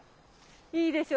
いいでしょ。